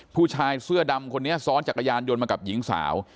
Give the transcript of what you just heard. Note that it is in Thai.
ผู้ชายเสื้อดำคนนี้ซ้อนจักรยานยนต์มากับหญิงสาว